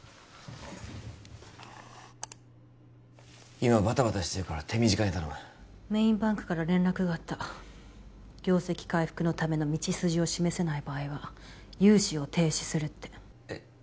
今バタバタしてるから手短に頼むメインバンクから連絡があった業績回復のための道筋を示せない場合は融資を停止するってえっ？